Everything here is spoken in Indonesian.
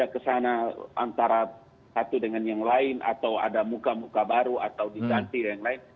kesana antara satu dengan yang lain atau ada muka muka baru atau diganti yang lain